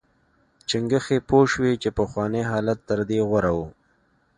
چنګښې پوه شوې چې پخوانی حالت تر دې غوره و.